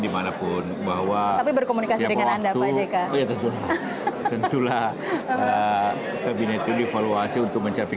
dimanapun bahwa berkomunikasi dengan anda banyak tentulah kabinet ini evaluasi untuk mencapai